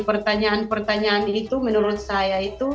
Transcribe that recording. pertanyaan pertanyaan itu menurut saya itu